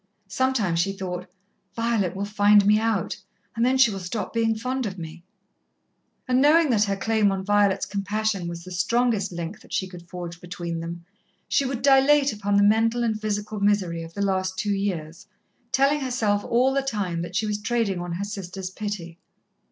Sometimes she thought, "Violet will find me out, and then she will stop being fond of me." And, knowing that her claim on Violet's compassion was the strongest link that she could forge between them, she would dilate upon the mental and physical misery of the last two years, telling herself all the time that she was trading on her sister's pity.